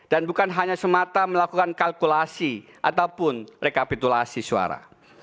dan bukan hanya semata melakukan kalkulasi ataupun rekapitulasi suara